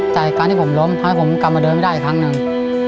จากการที่ผมล้มทำให้ผมกลับมาเดินไม่ได้อีกครั้งหนึ่ง